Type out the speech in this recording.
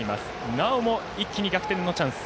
なおも一気に逆転のチャンス。